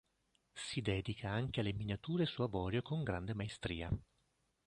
Si dedica anche alle miniature su avorio con grande maestria.